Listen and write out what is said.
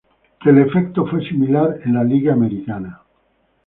El efecto fue similar en la Liga Americana.